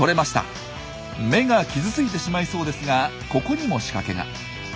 目が傷ついてしまいそうですがここにも仕掛けが。